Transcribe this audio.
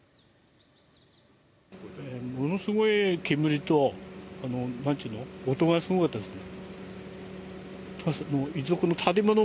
ものすごい煙と、音がすごかったですね。